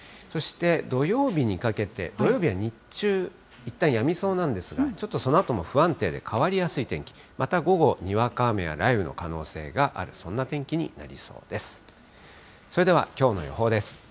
そして、土曜日にかけて、土曜日は日中、いったんやみそうなんですが、ちょっとそのあとも不安定で変わりやすい天気、また午後、にわか雨や雷雨の可能性がある、そんな天気になりそうです。